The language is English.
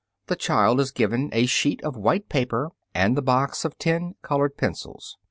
(Fig. 28.) The child is given a sheet of white paper and the box of ten colored pencils.